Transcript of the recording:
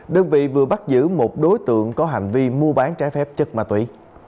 đơn vị vừa bắt giữ một đối tượng có hành vi mua bán trái phép chất ma túy